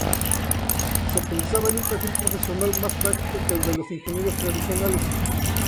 Se pensaba en un perfil profesional más "práctico" que el de los ingenieros tradicionales.